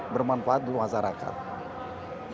bermanfaat untuk masyarakat